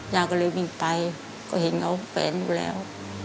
ย่าก็เลยวิ่งไปก็เห็นเขาแฝนอยู่แล้ว